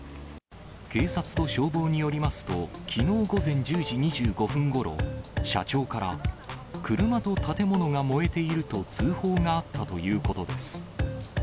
警察と消防によりますと、きのう午前１０時２５分ごろ、社長から、車と建物が燃えていると通報があったということです。